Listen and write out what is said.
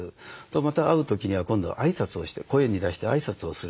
また会う時には今度は挨拶をして声に出して挨拶をする。